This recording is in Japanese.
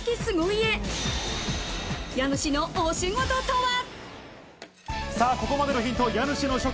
家主のお仕事とは？